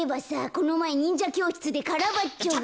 このまえにんじゃきょうしつでカラバッチョが。